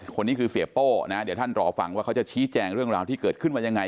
คนนี้คือเสียโป้นะเดี๋ยวท่านรอฟังว่าเขาจะชี้แจงเรื่องราวที่เกิดขึ้นมายังไง